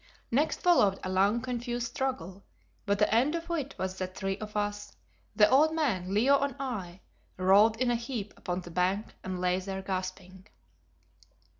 Next followed a long confused struggle, but the end of it was that three of us, the old man, Leo and I, rolled in a heap upon the bank and lay there gasping.